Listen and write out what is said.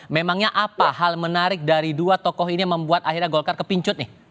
memangnya apa hal menarik dari dua tokoh ini yang membuat akhirnya golkar kepincut nih